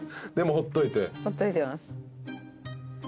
ほっといてます。